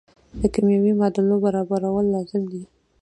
د کیمیاوي معادلو برابرول لازم دي.